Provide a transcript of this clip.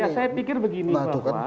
ya saya pikir begini bahwa